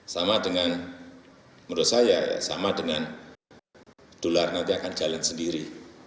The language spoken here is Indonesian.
sama dengan menurut saya ya sama dengan dolar nanti akan jalan sendiri